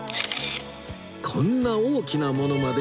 こんな大きなものまで